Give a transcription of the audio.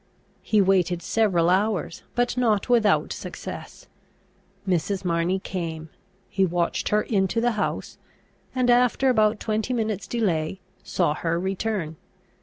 He waited several hours, but not without success. Mrs. Marney came; he watched her into the house; and after about twenty minutes delay, saw her return.